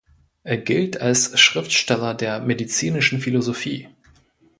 Er gilt als Schriftsteller der medizinischen Philosophie.